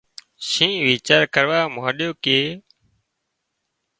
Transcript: شينهن ويچار ڪروا مانڏيو ڪي